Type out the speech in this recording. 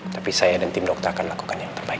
tapi saya dan tim dokter akan lakukan yang terbaik